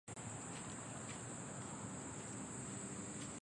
塞涅德古埃及早王朝时期第二王朝国王。